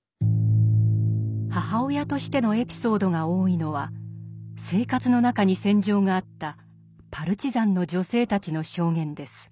母親としてのエピソードが多いのは生活の中に戦場があったパルチザンの女性たちの証言です。